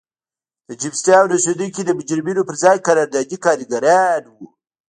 د جېمز ټاون اوسېدونکي د مجرمینو پر ځای قراردادي کارګران وو.